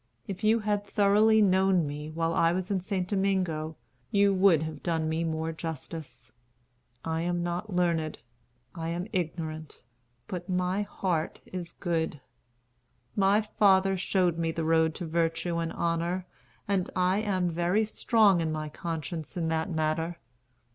If you had thoroughly known me while I was in St. Domingo, you would have done me more justice. I am not learned; I am ignorant: but my heart is good. My father showed me the road to virtue and honor, and I am very strong in my conscience in that matter.